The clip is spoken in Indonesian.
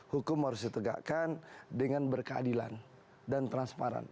hukum harus ditegakkan dengan berkeadilan dan transparan